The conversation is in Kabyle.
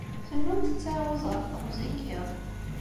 Tennum tettɛawaz ɣef teɣzi n yiḍ.